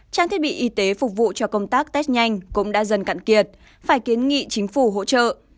trang thiết bị y tế phục vụ cho công tác test nhanh cũng đã dần cạn kiệt phải kiến nghị chính phủ hỗ trợ